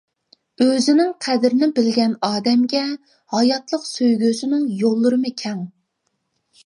ئۆزىنىڭ قەدرىنى بىلگەن ئادەمگە، ھاياتلىق سۆيگۈسىنىڭ يوللىرىمۇ كەڭ.